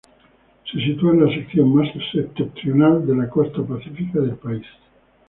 Se sitúa en la sección más septentrional de la costa pacífica del país.